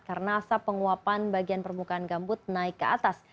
karena asap penguapan bagian permukaan gambut naik ke atas